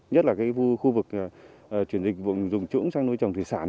nhất là khu vực chuyển dịch vùng dùng trũng sang nuôi trồng thủy sản